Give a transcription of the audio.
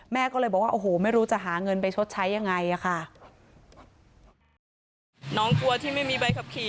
แม่ก็เลยบอกว่าโอ้โหไม่รู้จะหาเงินไปชดใช้ยังไงอะค่ะ